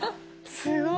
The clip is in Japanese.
すごい。